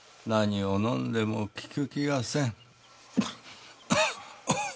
何を飲んでも効く気がせん。